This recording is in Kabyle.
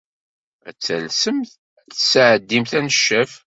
Ad talsemt ad d-tesɛeddimt aneccaf.